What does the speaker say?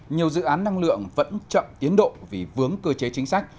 nhiều dự án năng lượng vẫn chậm tiến độ vì vướng cơ chế chính sách